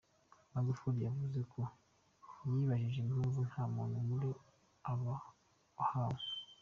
Magufuli yavuze ko yibajije impamvu nta muntu muri aba wahanwe.